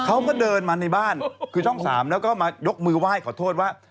เขาก็เดินมาในบ้านคือช่อง๓แล้วก็มายกมือไหว้ขอโทษว่า